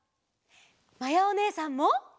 まやおねえさんも。